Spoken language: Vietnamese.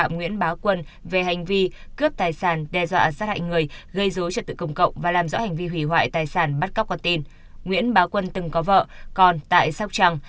nguyễn bá quân từng có vợ còn tại sóc trăng